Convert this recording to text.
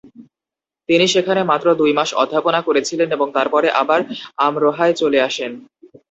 তিনি সেখানে মাত্র দুই মাস অধ্যাপনা করেছিলেন এবং তারপরে আবার আমরোহায় চলে আসেন।